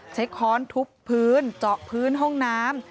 ค้อนทุบพื้นเจาะพื้นห้องน้ำ